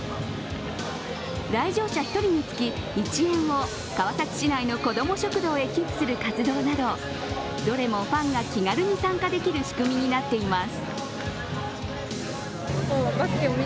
来場者１人につき１円を川崎市内の子ども食堂へ寄付する活動など、どれもファンが気軽に参加できる仕組みになっています。